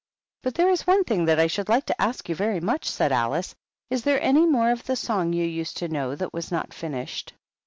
" But there is one thing that I should like to ask you very much," said Alice. " Is there any more of the song you used to know, that was not finished